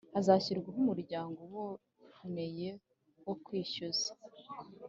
hazashyirwaho umurongo uboneye wo kwishyuza